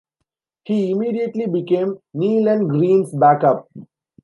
He immediately became Nealon Greene's back-up.